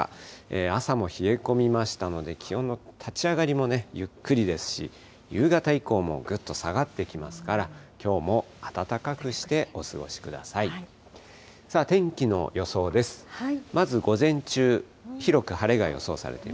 朝も冷え込みましたので、気温の立ち上がりもね、ゆっくりですし、夕方以降もぐっと下がってきますから、きょうも暖かくしてお過ごしください。